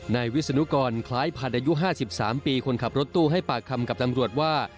นายวิศนุกรคล้ายผัดอายุ๕๓ปีคนขับรถตู้ให้ปากคำกับตำรวจว่า